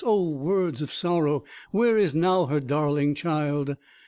Oh words of sorrow! Where is now her darling child?